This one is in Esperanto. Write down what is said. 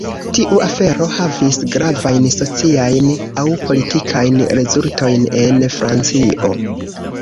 Tiu afero havis gravajn sociajn aŭ politikajn rezultojn en Francio.